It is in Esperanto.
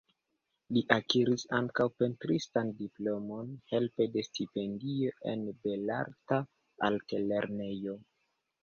Li akiris ankaŭ pentristan diplomon helpe de stipendio en Belarta Altlernejo.